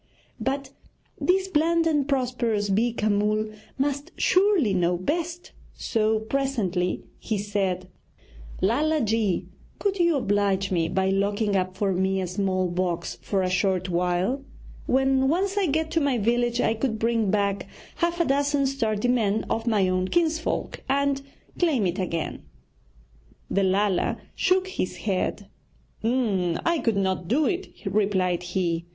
But this bland and prosperous Beeka Mull must surely know best, so presently he said: 'Lala ji, could you oblige me by locking up for me a small box for a short while? When once I get to my village I could bring back half a dozen sturdy men of my own kinsfolk and claim it again.' The Lala shook his head. 'I could not do it,' replied he.